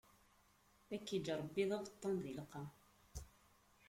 Ad k-iǧǧ Ṛebbi d abeṭṭan di lqaɛ!